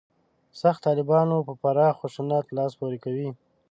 «سخت طالبانو» په پراخ خشونت لاس پورې کوي.